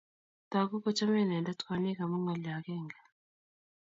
Toku kochomei inendet kwonyik amu ngolyo agenge